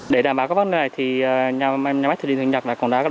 để đảm bảo các vấn đề này thì nhà máy thủy điện thượng nhật đã còn đã